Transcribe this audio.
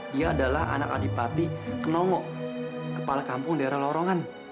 dia adalah anak adik papi kenongo kepala kampung daerah lorongan